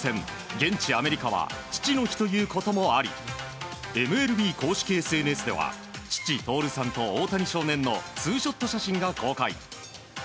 現地アメリカは父の日ということもありＭＬＢ公式ＳＮＳでは父・徹さんと大谷少年のツーショット写真が公開。